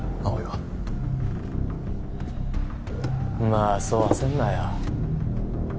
まあそう焦んなよ。